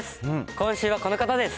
今週はこの方です。